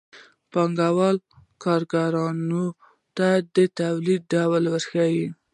پانګوال کارګرانو ته د تولید ډول ورښيي